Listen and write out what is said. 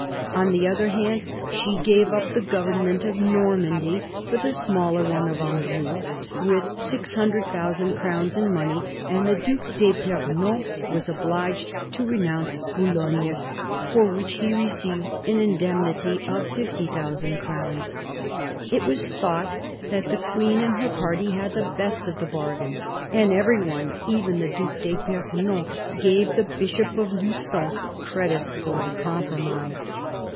On the other hand, she gave up the government of Normandy for the smaller one of Anjou, with 600,000 crowns in money, and the Due d'fipernon was obliged to renounce Boulogne, for which he received an indemnity of 50,000 crowns. It was thought that the Queen and her party had the best of the bargain, and every one, even the Due d'fipernon, gave the Bishop of Lugon credit for the compromise.